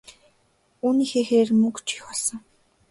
Үүнийхээ хэрээр мөнгө ч их олсон.